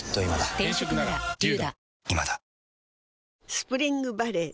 スプリングバレー